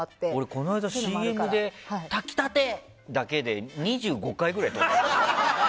この間ＣＭで炊き立て！だけで２５回ぐらいやったの。